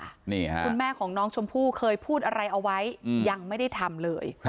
นี่ค่ะคุณแม่ของน้องชมพู่เคยพูดอะไรเอาไว้ยังไม่ได้ทำเลย